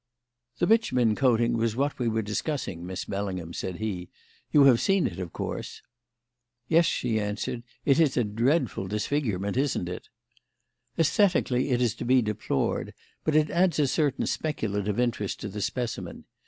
"The bitumen coating was what we were discussing, Miss Bellingham," said he. "You have seen it, of course." "Yes," she answered. "It is a dreadful disfigurement, isn't it?" "Aesthetically it is to be deplored, but it adds a certain speculative interest to the specimen.